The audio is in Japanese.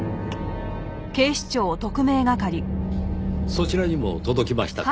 そちらにも届きましたか。